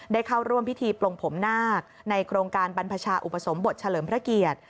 เข้าร่วมพิธีปลงผมนาคในโครงการบรรพชาอุปสมบทเฉลิมพระเกียรติ